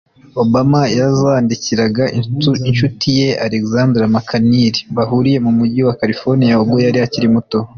Obama yazandikiraga inshuti ye Alexandra Mcnear bahuriye mu mugi wa Calfonia ubwo yari akiri muto